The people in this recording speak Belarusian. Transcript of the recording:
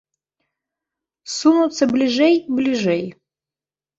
Сунуцца бліжэй і бліжэй.